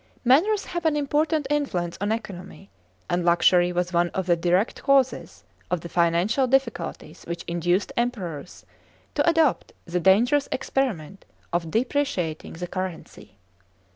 * Manners have an important influence on economy ; and luxury was one of the direct causes of the financial difficulties which induced Emperors to adopt the dangerous experiment of depreciating the currency.